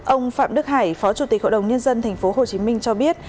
ông phạm đức hải phó chủ tịch hội đồng nhân dân tp hcm cho biết